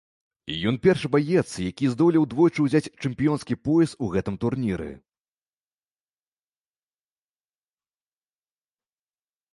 Ён першы баец, які здолеў двойчы ўзяць чэмпіёнскі пояс у гэтым турніры.